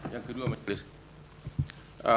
yang kedua mas yada